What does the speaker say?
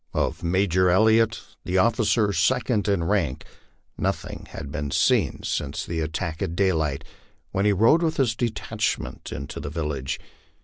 Of Major Elliot, the officer second in rank, nothing had been seen since the at tack at daylight, when he rode with his detachment into the village.